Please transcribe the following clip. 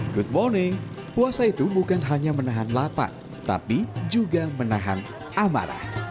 good morning puasa itu bukan hanya menahan lapak tapi juga menahan amarah